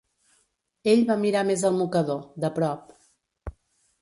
Ell va mirar més el mocador, de prop.